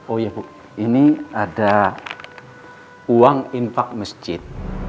oh iya bu ini ada uang infak masjid